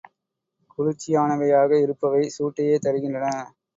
குளிர்ச்சியானவையாக இருப்பவை சூட்டையே தருகின்றன.